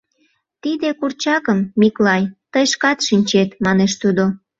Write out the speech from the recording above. — Тиде курчакым, Миклай, тый шкат шинчет, — манеш тудо.